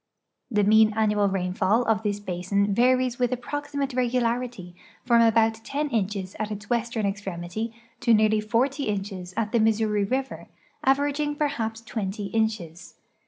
The mean annual rainfall of this basin varies with approximate regularity from almutten inches at its western extremity to nearly forty inches at the Missouri river, averaging perhaps twenty inches.